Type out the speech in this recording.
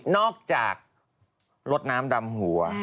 นอกจากลดน้ำดำหัว